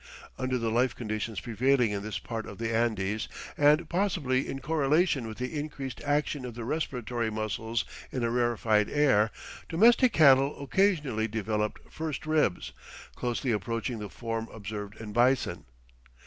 "Under the life conditions prevailing in this part of the Andes, and possibly in correlation with the increased action of the respiratory muscles in a rarefied air, domestic cattle occasionally develop first ribs, closely approaching the form observed in bison."